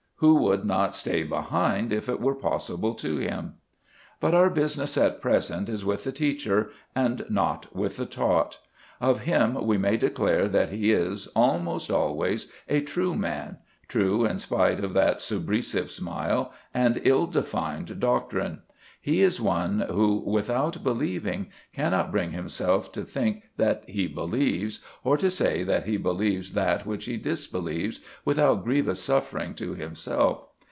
Who would not stay behind if it were possible to him? But our business at present is with the teacher, and not with the taught. Of him we may declare that he is, almost always, a true man, true in spite of that subrisive smile and ill defined doctrine. He is one who, without believing, cannot bring himself to think that he believes, or to say that he believes that which he disbelieves without grievous suffering to himself.